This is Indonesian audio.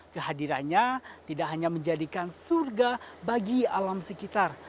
kehadirannya tidak hanya menjadikan surga bagi alam sekitar